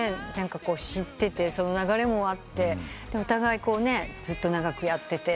知ってて流れもあってお互いずっと長くやってて。